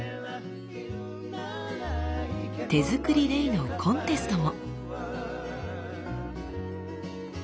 手作りレイのコンテストも。